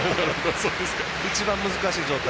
一番難しい状態。